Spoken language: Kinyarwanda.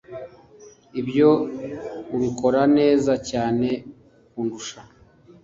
Ibyo ubikora neza cyane kundusha